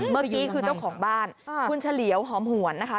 เมื่อกี้คือเจ้าของบ้านคุณเฉลียวหอมหวนนะคะ